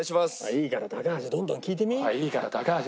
いいから高橋どんどん聞いてみ。